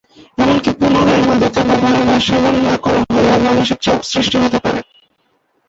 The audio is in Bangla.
এমনকি পুনরায় মাদকের ব্যবহার বা সেবন না করা হলে মানসিক চাপ সৃষ্টি হতে পারে।